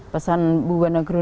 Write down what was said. pasal ibu keluarga saya